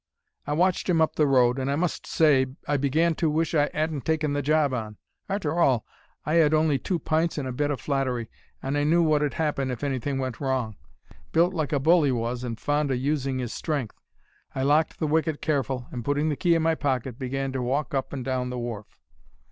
"I watched 'im up the road, and I must say I began to wish I 'adn't taken the job on. Arter all, I 'ad on'y had two pints and a bit o' flattery, and I knew wot 'ud 'appen if anything went wrong. Built like a bull he was, and fond o' using his strength. I locked the wicket careful, and, putting the key in my pocket, began to walk up and down the wharf.